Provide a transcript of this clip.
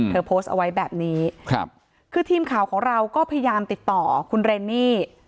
โพสต์เอาไว้แบบนี้ครับคือทีมข่าวของเราก็พยายามติดต่อคุณเรนนี่